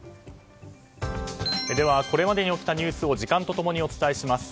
では、これまでに起きたニュースを時間と共にお伝えします。